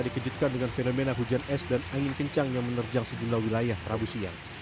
dikejutkan dengan fenomena hujan es dan angin kencang yang menerjang sejumlah wilayah rabu siang